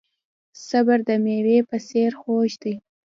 صبر د میوې په څیر خوږ دی.